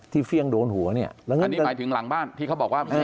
เฟี่ยงโดนหัวเนี่ยอันนี้หมายถึงหลังบ้านที่เขาบอกว่า